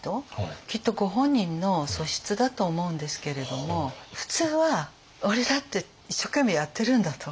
きっとご本人の素質だと思うんですけれども普通は「俺だって一生懸命やってるんだ！」と。